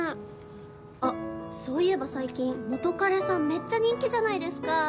あ、そういえば最近、元カレさんめっちゃ人気じゃないですか！